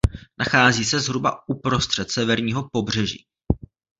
Nachází se zhruba uprostřed severního pobřeží.